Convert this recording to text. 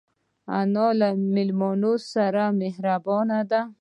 انا له مېلمنو سره مهربانه ده